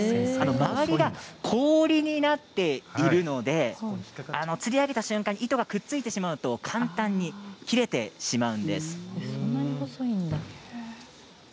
周りが氷になっていますので釣り上げた瞬間に糸がくっついてしまうと簡単に切れてしまうんです。